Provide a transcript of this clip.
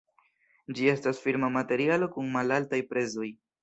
Ĝi estas firma materialo kun malaltaj prezoj.